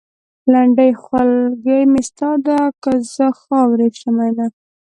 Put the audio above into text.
لنډۍ؛ خولګۍ مې ستا ده؛ که زه خاورې شم مينه